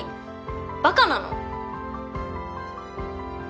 バカなの？